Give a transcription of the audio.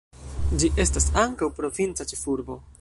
Ĝi estas ankaŭ provinca ĉefurbo.